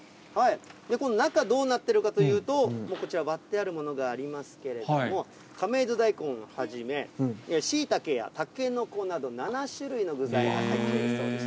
この中、どうなっているかというと、こちら、割ってあるものがありますけれども、亀戸大根はじめ、シイタケやタケノコなど、７種類の具材が入っているそうです。